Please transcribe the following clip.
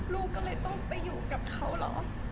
ลูกก็เลยต้องไปอยู่กับเขาเหรอ